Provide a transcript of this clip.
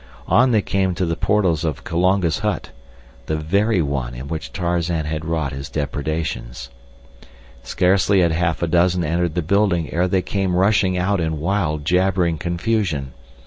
On they came to the portals of Kulonga's hut, the very one in which Tarzan had wrought his depredations. Scarcely had half a dozen entered the building ere they came rushing out in wild, jabbering confusion.